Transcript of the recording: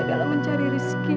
dalam mencari rezeki